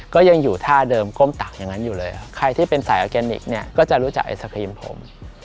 ก็ยังอยู่ท่าเดิมก้มตักอย่างนั้นอยู่เลยใครที่เป็นสายออร์แกนิคเนี่ยก็จะรู้จักไอศครีมผม